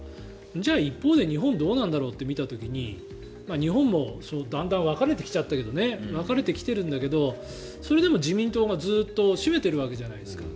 じゃあ、一方で日本はどうなんだろうと見た時に日本もだんだん分かれてきちゃったけど分かれてきてるんだけどもそれでも自民党がずっと占めているわけじゃないですか。